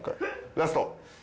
ラスト。